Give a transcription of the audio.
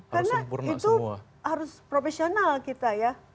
karena itu harus profesional kita ya